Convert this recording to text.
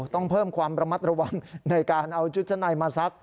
ต้องเพิ่มความระมัดระวังในการเอาชุดชั้นในมาซัก